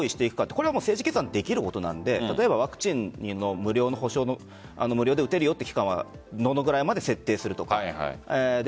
これは政治決断できることなので例えば、ワクチンを無料で打てるよという期間はどのぐらい設定するとか